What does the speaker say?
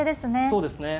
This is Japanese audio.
そうですね。